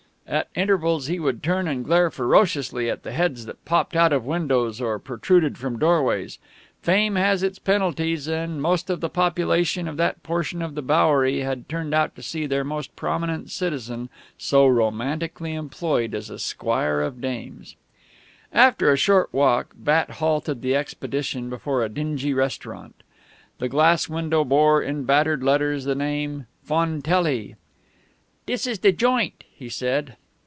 At intervals he would turn and glare ferociously at the heads that popped out of windows or protruded from doorways. Fame has its penalties, and most of the population of that portion of the Bowery had turned out to see their most prominent citizen so romantically employed as a squire of dames. After a short walk Bat halted the expedition before a dingy restaurant. The glass window bore in battered letters the name, Fontelli. "Dis is de joint," he said.